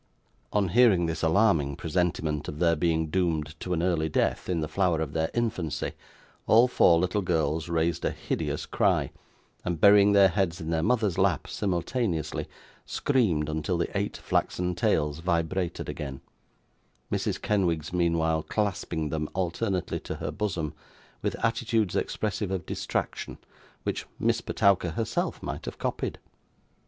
On hearing this alarming presentiment of their being doomed to an early death in the flower of their infancy, all four little girls raised a hideous cry, and burying their heads in their mother's lap simultaneously, screamed until the eight flaxen tails vibrated again; Mrs. Kenwigs meanwhile clasping them alternately to her bosom, with attitudes expressive of distraction, which Miss Petowker herself might have copied.